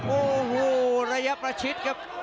โอ้โหระยะประชิดครับ